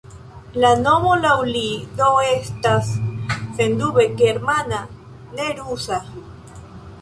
La nomo laŭ li do estas sendube germana, ne rusa.